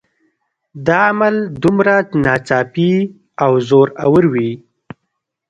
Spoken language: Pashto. دا عمل دومره ناڅاپي او زوراور وي